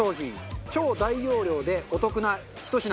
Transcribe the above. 超大容量でお得なひと品。